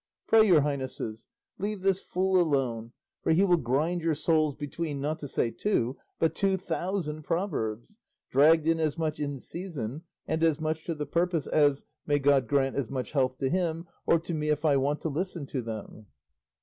Pray, your highnesses, leave this fool alone, for he will grind your souls between, not to say two, but two thousand proverbs, dragged in as much in season, and as much to the purpose as may God grant as much health to him, or to me if I want to listen to them!"